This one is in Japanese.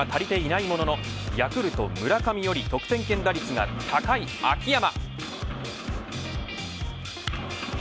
広島は３回、規定打席数には足りていないもののヤクルト村上より得点圏打率が高い秋山。